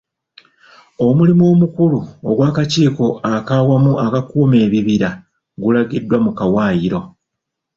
Omulimu omukulu ogw'Akakiiko ak'Awamu Akakuuma Ebibira gulagiddwa mu kawaayiro.